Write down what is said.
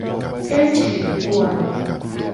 Eci kpo a?